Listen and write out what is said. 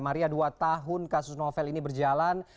maria dua tahun kasus novel ini berjalan